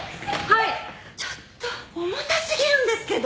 ちょっと重たすぎるんですけど！